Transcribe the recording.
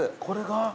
これが。